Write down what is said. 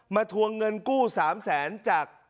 มาทัวร์เงินกู้สามแสนจาก